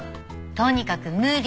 とにかく無理！